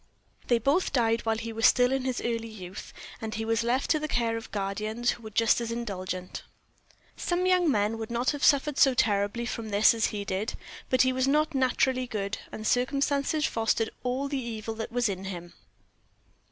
They both died while he was still in his early youth, and he was left to the care of guardians who were just as indulgent. Some young men would not have suffered so terribly from this as he did; but he was not naturally good, and circumstances fostered all the evil that was in him.